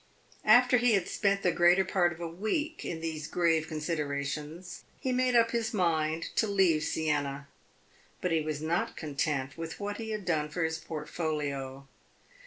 After he had spent the greater part of a week in these grave considerations, he made up his mind to leave Siena. But he was not content with what he had done for his portfolio.